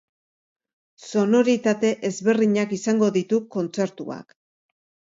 Sonoritate ezberdinak izango ditu kontzertuak.